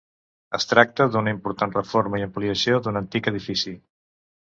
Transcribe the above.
Es tracta d'una important reforma i ampliació d'un antic edifici.